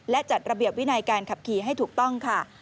และจัดระเบียบวินัยการขับขี่ให้ถูกต้องค่ะ